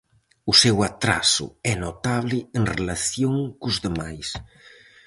O seu atraso é notable en relación cos demais.